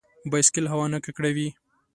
بایسکل هوا نه ککړوي.